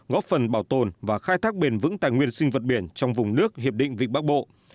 góp phần bảo tồn và khai thác bền vững tài nguyên sinh vật biển trong vùng nước hiệp định vịnh bắc bộ